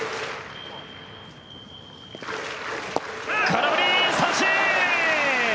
空振り三振！